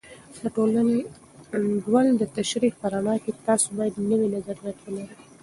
د ټولنې د انډول د تشریح په رڼا کې، تاسې باید نوي نظریات ولرئ.